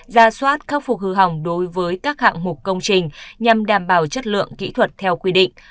ra soát khắc phục hư hỏng đối với các hạng mục công trình nhằm đảm bảo chất lượng kỹ thuật theo quy định